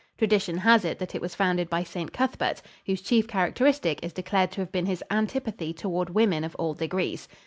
Tradition has it that it was founded by St. Cuthbert, whose chief characteristic is declared to have been his antipathy toward women of all degrees.